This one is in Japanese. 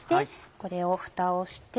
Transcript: これをふたをして。